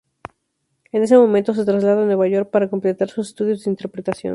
En ese momento se traslada a Nueva York para completar sus estudios de interpretación.